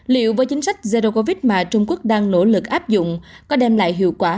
liệu với chính sách zero covid mà trung quốc đang nỗ lực áp dụng có đem lại hiệu quả